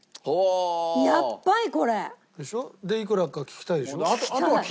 でしょ？でいくらか聞きたいでしょ？